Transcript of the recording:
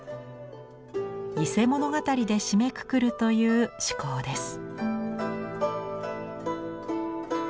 「伊勢物語」で締めくくるという趣向です。